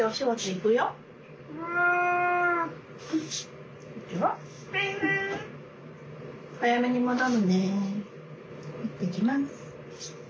行ってきます。